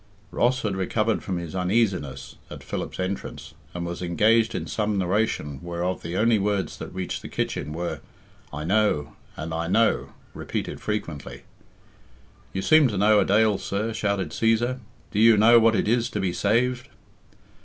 Ross had recovered from his uneasiness at Philip's entrance, and was engaged in some narration whereof the only words that reached the kitchen were I know and I know repeated frequently. "You seem to know a dale, sir," shouted Cæsar; "do you know what it is to be saved?"